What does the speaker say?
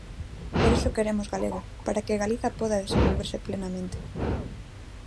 Por iso queremos galego para que Galiza poida desenvolverse plenamente.